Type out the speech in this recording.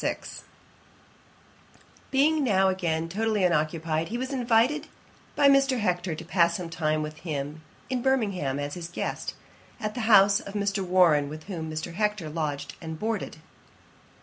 ] Being now again totally unoccupied, he was invited by Mr. Hector to pass some time with him at Birmingham, as his guest, at the house of Mr. Warren, with whom Mr. Hector lodged and boarded.